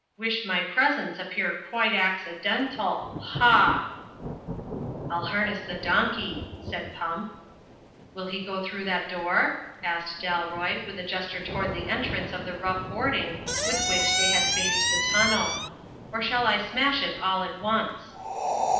Wish my presence appear quite accidental. Haw!" "I'll harness the donkey," said Pump. "Will he go through that door?" asked Dalroy, with a gesture toward the entrance of the rough board ing with which they had faced the tunnel, "or shall I smash it all at once?"